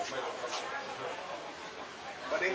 ก็พอใช้ได้เลย